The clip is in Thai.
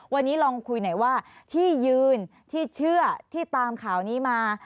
วันนี้ลองคุยหน่อยว่าที่ยืนที่เชื่อที่ตามข่าวนี้มา